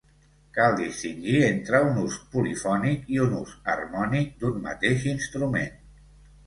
Cal distingir entre un ús polifònic i un ús harmònic d'un mateix instrument.